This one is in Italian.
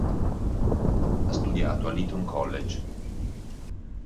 Ha studiato all'Eton College.